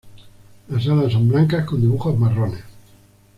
Las alas son blancas con dibujos marrones.